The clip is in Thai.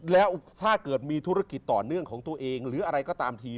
แล้วถ้าเกิดมีธุรกิจต่อเนื่องของตัวเองหรืออะไรก็ตามที